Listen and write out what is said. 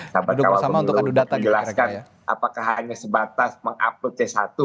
sahabat kawal pemilu menjelaskan apakah hanya sebatas mengupload c satu